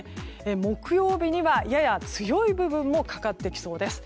木曜日には、やや強い部分もかかってきそうです。